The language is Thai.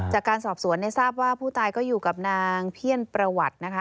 จากการสอบสวนทราบว่าผู้ตายก็อยู่กับนางเพี้ยนประวัตินะคะ